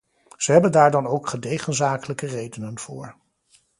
Ze hebben daar dan ook gedegen zakelijke redenen voor.